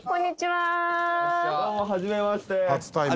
はじめまして。